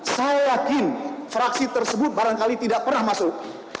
saya yakin fraksi tersebut barangkali tidak pernah masuk